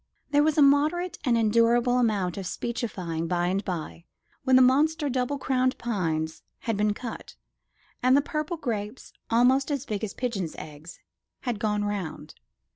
There was a moderate and endurable amount of speechifying by and by, when the monster double crowned pines had been cut, and the purple grapes, almost as big as pigeons' eggs, had gone round.